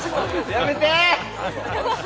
やめて！